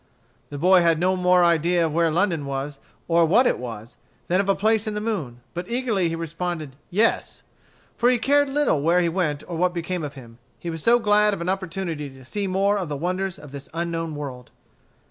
The boy had no more idea of where London was, or what it was, than of a place in the moon. But eagerly he responded, "Yes," for he cared little where he went or what became of him, he was so glad of an opportunity to see more of the wonders of this unknown world.